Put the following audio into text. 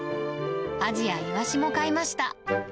アジやイワシも買いました。